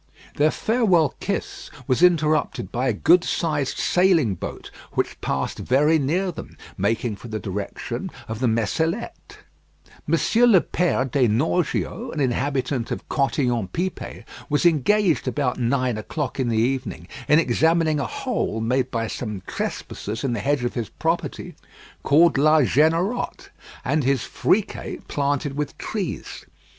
Their farewell kiss was interrupted by a good sized sailing boat which passed very near them, making for the direction of the Messellettes. Monsieur le Peyre des Norgiots, an inhabitant of Cotillon Pipet, was engaged about nine o'clock in the evening in examining a hole made by some trespassers in the hedge of his property called La Jennerotte, and his "friquet planted with trees."